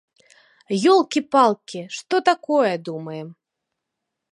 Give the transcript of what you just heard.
Ёлкі-палкі, што такое, думаем!?